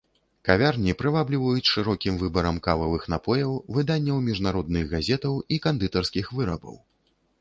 Кавярні прывабліваюць шырокім выбарам кававых напояў, выданняў міжнародных газетаў і кандытарскіх вырабаў.